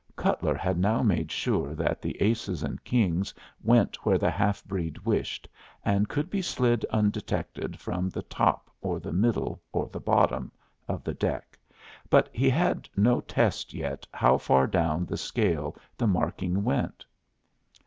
Cutler had now made sure that the aces and kings went where the half breed wished, and could be slid undetected from the top or the middle or the bottom of the pack; but he had no test yet how far down the scale the marking went.